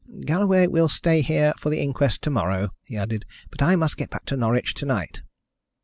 "Galloway will stay here for the inquest to morrow," he added. "But I must get back to Norwich to night."